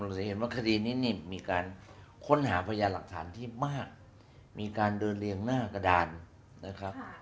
จะเห็นว่าคดีนี้นี่มีการค้นหาพยานหลักฐานที่มากมีการเดินเรียงหน้ากระดานนะครับ